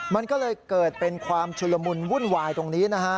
มันก็เลยเกิดเป็นความชุลมุนวุ่นวายตรงนี้นะฮะ